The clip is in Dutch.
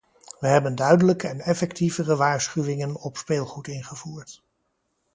We hebben duidelijke en effectievere waarschuwingen op speelgoed ingevoerd.